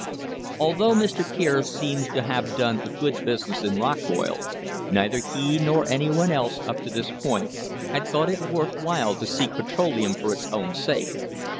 Although Mr. Kier seems to have done a good business in rock oil, neither he nor any one else up to this point had thought it worth while to seek petroleum for its own sake.